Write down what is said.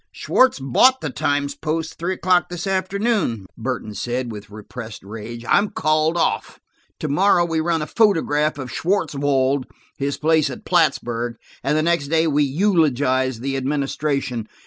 "Schwartz bought the Times Post at three o'clock this afternoon," Burton said, with repressed rage. "I'm called off. To morrow we run a photograph of Schwartzwold, his place at Plattsburg, and the next day we eulogize the administration.